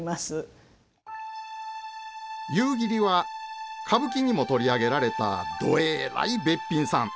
夕霧は歌舞伎にも取り上げられたどえらいべっぴんさん。